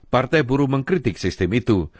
partai buru mengkritik sistem itu